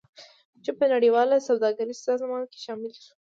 چین په نړیواله سوداګریزې سازمان کې شامل شو.